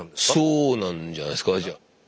そうなんじゃないですかじゃあ。